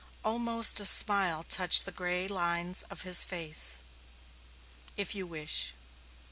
Almost a smile touched the gray lines of his face. "If you wish."